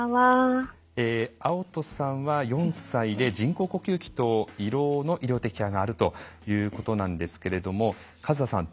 碧人さんは４歳で人工呼吸器と胃ろうの医療的ケアがあるということなんですけれども和沙さん